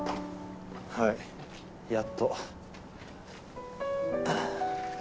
はいやっと。